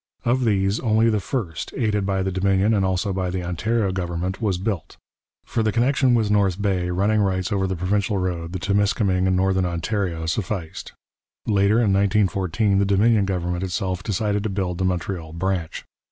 Of these only the first, aided by the Dominion and also by the Ontario government, was built. For the connection with North Bay running rights over the provincial road, the Timiskaming and Northern Ontario, sufficed. Later, in 1914, the Dominion government itself decided to build the Montreal branch.